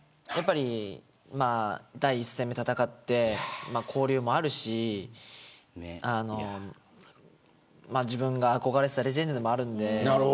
第１戦目、戦って交流もあるし自分が憧れていたレジェンドでもあるので。